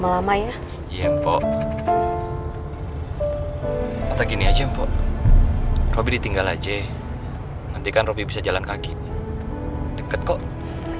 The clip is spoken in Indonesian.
lama lama ya mpok atau gini aja mpok roby ditinggal aja nanti kan roby bisa jalan kaki deket kok